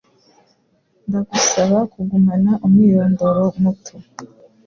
Ndagusaba kugumana umwirondoro muto.